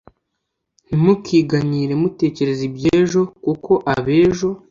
ntimukiganyire mutekereza iby ejo kuko ab ejo